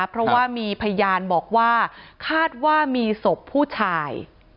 เพราะว่ามีพยานบอกว่าคาดว่ามีศพผู้ชาย